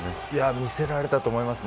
見せられたと思いますね。